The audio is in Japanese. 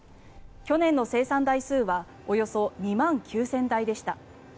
去年の生産台数はおよそ２万９０００台でした。